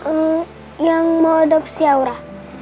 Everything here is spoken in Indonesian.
hmm yang mau adopsi aura